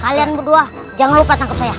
kalian berdua jangan lupa tangkep saya